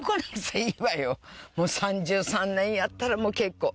もう３３年やったらもう結構。